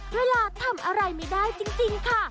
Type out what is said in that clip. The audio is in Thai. เวลาทำอะไรไม่ได้จริงค่ะ